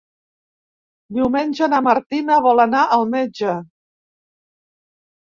Diumenge na Martina vol anar al metge.